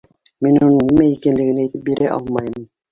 — Мин уның нимә икәнлеген әйтеп бирә алмайым.